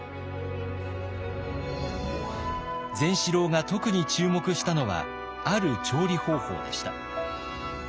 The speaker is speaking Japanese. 善四郎が特に注目したのはある調理方法でした。